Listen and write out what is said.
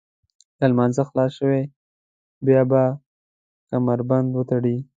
له لمانځه خلاص شوئ بیا به کمربند وتړئ.